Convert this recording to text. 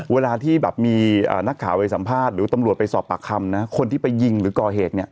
เวลาที่มีเนื้อนักข่าวใบสัมภาษณ์หรือตำรวจไปสอบปากคำคนที่ไปยิงหรือกล่อเหตุ